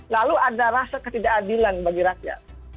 lalu ada rasa ketidakadilan bagi rakyat